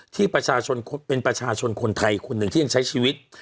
ที่ประชาชนเป็นประชาชนคนไทยคนหนึ่งที่ยังใช้ชีวิต